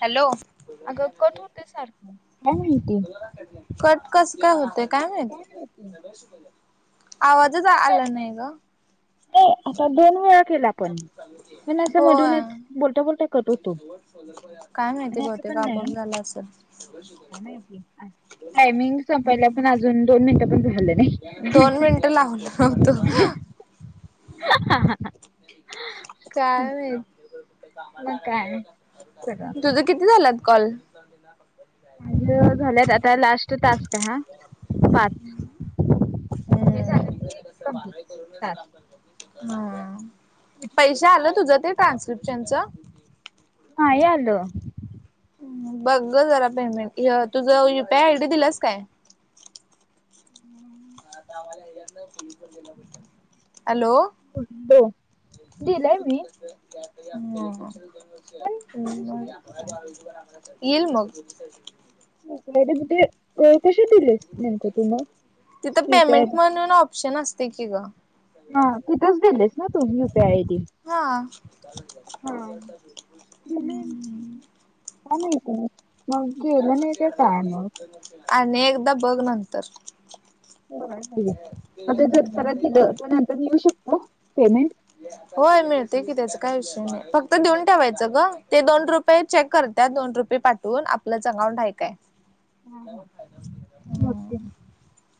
Hello. अगं कठ होते सारखं माती कट कस काय होते काय मात आवाजच आला नाही ग. नाही आता दोन वेळा केला पण पण असं मधून होय बोलता बोलता कट होतो. काय माहिती आणि अस बहुतेक पण नाही आपोआप झाला असेल टायमिंग संपला पण अजून दोन मिनिटात पण झाले. दोन मिनिट लावल व्हतो. ह ह ह. काय मा मग काय सगळं तुझं किती झालात कॉल. दिना पक्त मा झाल्यात आता लास्ट तास का हा. पाच हे झालं हम्म ते कमप्ट तास. हम् पैसे आलं तुझं ते ट्रान्स्क्रिप्शनच. हा याल. बघ जरा पेमेंट तुझं युपीआय आय डी दिलास काय? हम्. हॅलो. [inaudible] [inaudible] दिलाय मी पण तरी सुद्धा हम् कसं काय येल मग जडीबुटी अ कशी दिलीस नेमकं तू मग तिथं युपीआय पेमेंट म्हणून ऑप्शन असते की ग हा तिथेच गेलेस ना तू यु पी आय डी हा ह का नाहीत ना मग गेलं नाही ते का मग आणि एकदा बघ नंतर हो नाही आहे मग ते जर परत दिलं तर नंतर येऊ शकतो पेमेंट [inaudible] होय मिळते की त्याच काय विषय नाही फक्त देऊन ठेवायचं ग ते दोन रुपये चेक करतात दोन रुपये पाच. बोल आपलच अकाउंट हाय काय? हा हा. ह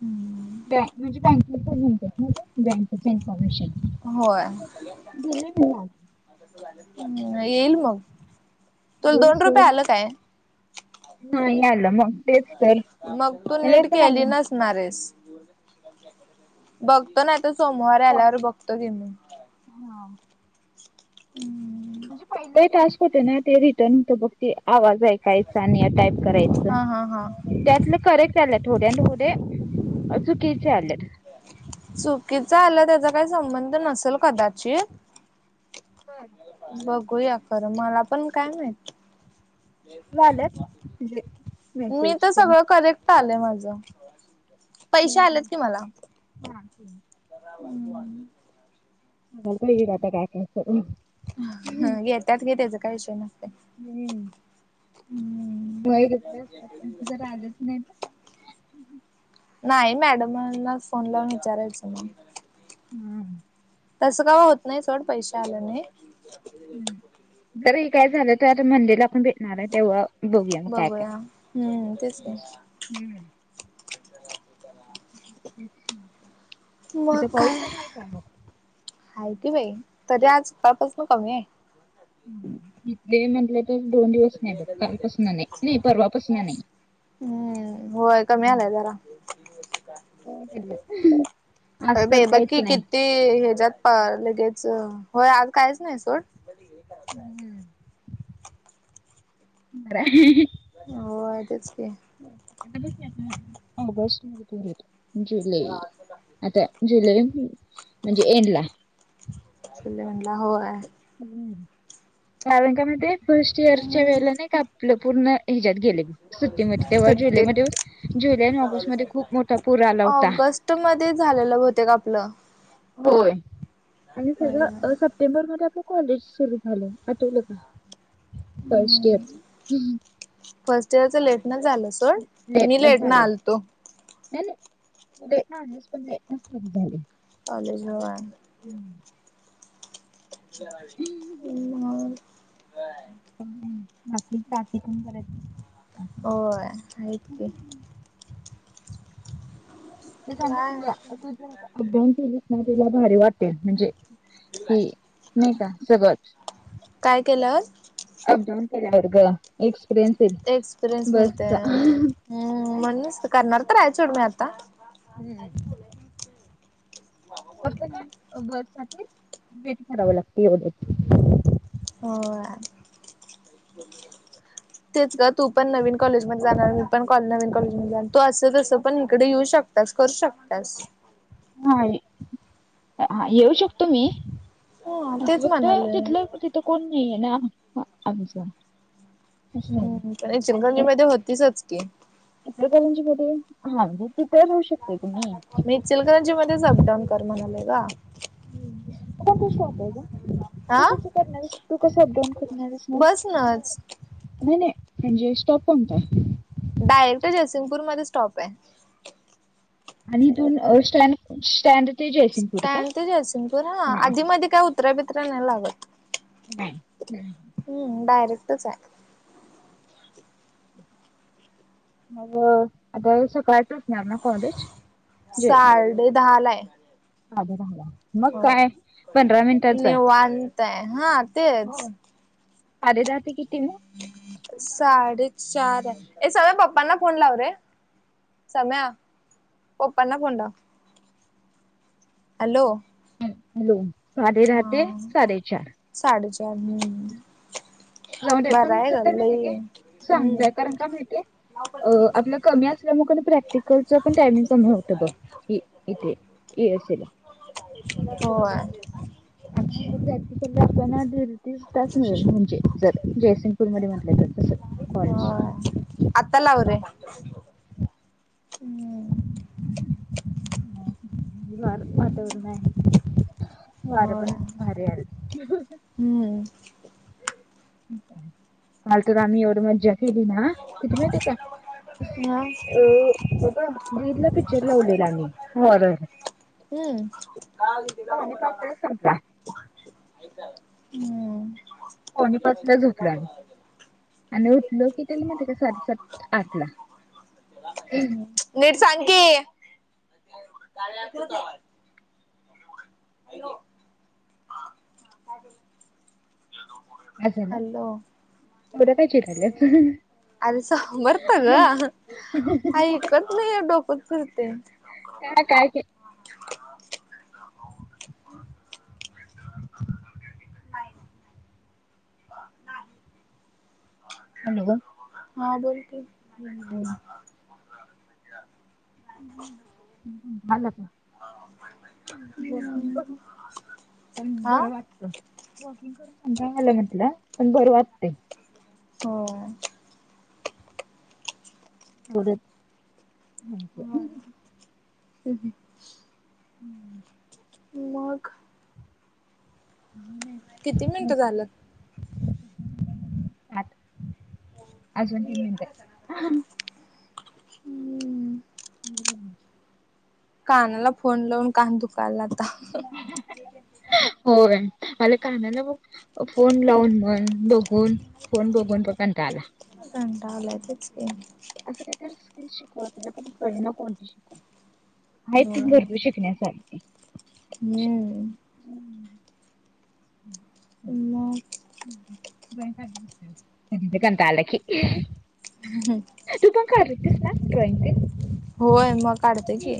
ह बँ म्हणजे बँके पण बँकेच इन्फॉर्मेशन होय दिले मी आज येईल मग तुला दोन रुपये आलं काय? नाही आला मग तेच तर मग तू मला नीट येताना केली अजून बघतो नाही तर सोमवार आल्यावर बघतो ती मी हा हम्म पहिले टास्क होते ना ते रिटर्न होत बघती आवाज ऐकायचा आणि टाईप करायचं हा हा हा. त्यातले करेक्ट आले थोड्या थोडे चुकीचे आलेत. चुकीचा आलं त्याचा काही संबंध नसेल कदाचित ह बघूया खरं मला पण काय माहित वालंत म्हणे मी मेसेज तर ते सगळं करेक्ट आलंय माझ पैसे आलेत हम्म. कि मला हा. ह बघ की आता काय करायचं ह घ त्यात घेताचं काही विषय ना हम्म वैरत ज आलंच नाही तर नाही मॅडमना फोन लावून विचारायचं मग हम् तसं काव होत नाही चड पैसे आले नाही ह जरी काय झालं तर आता मंदिरला आपण भेटणार आहे तेव्हा. बोघ काय बघूया काय हम्म तेच नाही हम्? अच्छा. मग काय आहे की बाई तरी आजकाळपासून कमी आहे. इथे म्हटलं तर दोन दिवस नाही बघ कालपासून नाही नाही परवापासून नाही. हम्म होय कमी आलाय जरा हो अस तर काहीच नाही. ती हच्यात प लगेच होय आज काहीच नाही सोड. हम्म ब हो तेच. ब त य जुलै आता जुलै म्हणजे एंड ला फले म्हणला होय. कारं का मग ते फर्स्ट इयरच्या वेळेला नाही का आपलं पूर्ण ह्याच्या्यात गेले. सुट्टीमध्ये तेव्हा सुट्टीत जुलैमध्ये जुलै आणि ऑगस्ट मध्ये खूप मोठा पूर आला होता. ऑगस्ट मध्ये झालेलं होत का आपलं. होय आणि सगळं. स्टेंबर मध्ये आपण कॉलेज सुरू झालं आठवलं का फर्स्ट इयर. फर्स्ट इयरच लेट नाही झालं. सोड मी नटन लेट न झाले. आलतो नाही नाही पण झाली. ॉलेज हवाय. हम्म. ह. बाकीकीथून करत. हो माच क ते सांग काय तुझला तू जर अप्यान केलीस ना तुला भारी वाटते म्हणजे हे नाही का सगळंच. काय केलं. अप डाऊन क एक्सपिरियन्स येल एक्सपिरियन्स मिळते बस. हम्म म्हण करणार तरय चोड म आता हम्म. फक्त काय वर्षातील भेट करावं लागते एवढ्या हो तेच ग. तू पण नवीन कॉलेजमध्ये जाणार मी पण कॉ नवीन कॉलेजमध्ये जाणार तो असं तस. पण इकडे येऊ शकतास करू शकतास. हा हा येऊ शकतो मी ह तेच असं फक्त म्हणालोय तिथलं तिथं कोण नाही आहे ना आमच. हम् पण चिलगंजी मध्ये होतीसच की इकडे काणच्या कडे हांजे तिथच होेऊ शकते तुम्ही? मी चिलकरंजी मध्येच अपडाऊन कर म्हणालेय का? आता कस वाटयच तू हा कस करणारस तू कस अपडाऊन करणारस म बसनच नाही नाही म्हणजे स्टॉप कोणतय? डायरेक्ट जयसिंगपूर मध्ये स्टॉप आहे. आणि इथून स्टँड स्टँड. ते जयसिंगपूर का स्टँड ते सिंगपूर हा हां आधी मध काय उतर्या बित्र्या नाही लागत. ह हम्. हम् ारक्ट मग आतासं काळच असणार ना कॉलेज. साडे दहा लाय. आध मग काय पंधरा मिनिटात ज निवांत आहे हा हो. तेच आधे राात कि ति साडेचार आहे ए सध पप्पांना फोन लाववरे. समया पपला पड. हॅलो. हॅलो साडे राात साडेचार साडे चार ह जाऊ द पण कस मा क सांग हम्म व्याकारण का माहिते अ आपल्या कमी असल्यामुळेग प्रॅक्टिकलच पण टायमिंग कमी होतं बघ इथेर्सला हो. िक आपल्यालाधी त तास मिळेल म्हणजे जयसिंगपूर मध्ये म्हटलं जात तस कॉलेज. आतालावरे वार वातावरून आहे वारं होय पण भारी आल हम्म हलतम्ही र मध्ये जा ली ना तुज म ते का मग अ बघ जदला पिक्चर लावलेला आ म् होरर हम्म पावणे पाचला संपला हम्म कोणीपासल्या झोपला आणि आणि उठल की त्यानी म त्या साडेसात आतला नीट सांग की हॅलो हॅलो ब्या कायचीरल्या अस बरतग काय ईकत नाही अ डोकत बरते का काय हॅलो हा बोलते हम् झालच हम्म पण हा बरं वाटत वॉकिंग करून म्ह आलं म्हटलं पण बर वाटते हो बढं ह ह हम्म मग किती मिनिटं झालं [inaudible] अजवनटीन मिनट हम्म हम् कानाला फोन लावून कान दुकालाता होय मला कानाला ब फोन लावून मग बघून फोन बघून बघता आला रटावल तेच असं काही शिकवळे ना कोणती शिक आहेत हम्म भरतू शिकण्यासार मग काता आलखी हम् तुपां का स्नाॅक् ड्रॉईंग ते होय मग काढतेय की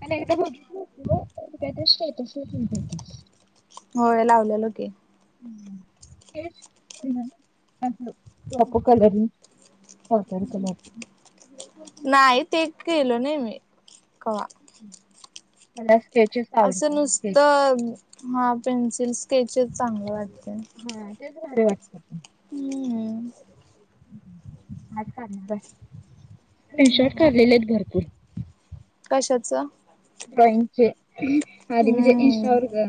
पण एकदा बघितली होती स्टेटस हो तस हो लावले लोके को कलरही ह सरकल नाही ते गेलो नाही मी कवा मला स्केचेस असं आवडतकेच नुसतं हा पेन्सिल स्केचेस चांगले वाटते हा वाटत हम्मम आणार आहे रशर्ट कालेले आहेत भरपूर कशाचं ड्रॉइंगचे आधी म्हणजे हम्म इं्स्टावरर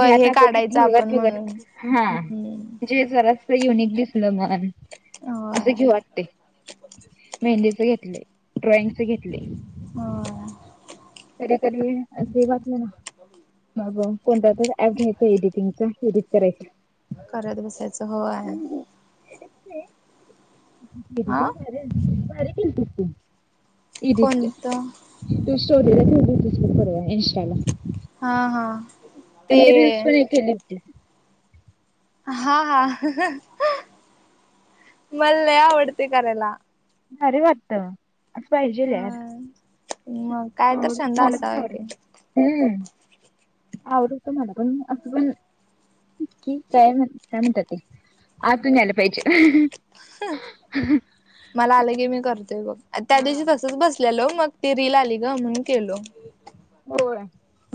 जे हे आता बघी काढायचं आपण भगत बघत म्हणून हा हम्म ज सरस यूनिकलीसलमान हो वाट मेहंदी घेत ड्रॉइंग घेतले हो त्याकरी बातले ना मग कोणता तर ऍप घ्यायचा एडिटिंगचा एडिट कराय करत बसायचं होय हा र वर क इ कोणतं तू स्टोरी करूया इंस्टाला हा हा ते आणि रीलल्स पण एक केली होती हा हा मला आवडते करेला ह अरे वात पाहिजेर आड मग काय तर छंद मला पण असावा की आवडम् आर इत मकून असबं की काय म्हण काय म्हणतात ते आतून यायला पाहिजे मला आलं की मी करतोय बघ त्या दिवशी हम्म तसच बस मग ती रिलाली ग म्हणून केलो होय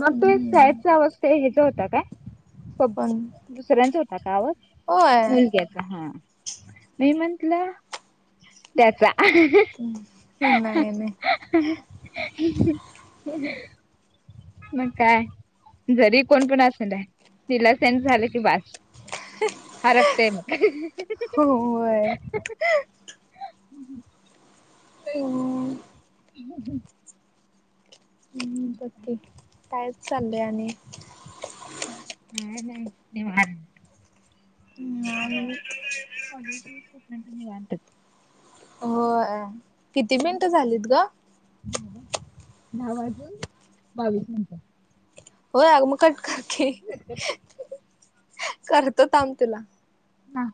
मग तो सॅडचा अवस्था ह्याचा होता काय पण दुसऱ्यांचा होताा का आवाज होय मुलक्यात हा मी म्हंटलं त्याचा नाही नाही मग काय जरी कोण पण असेल निलासेट झाले की बस अरप टेम होय हम ह ह हम्म बक्की कायच चाललंय आणि ह ह् कॉलेज निवांत हो किती मिनिटं झालीत ग दहा वाजून बावीस मिनटात हो अग मग कट करक ह करतोत थांब तुला ह